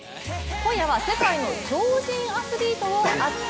今夜は世界の超人アスリートを、熱く！